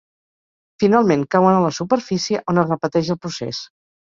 Finalment cauen a la superfície, on es repeteix el procés.